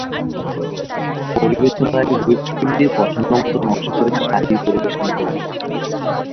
পরিবেশনের আগে whipped cream দিয়ে পছন্দমতো নকশা করে সাজিয়ে পরিবেশন করুন।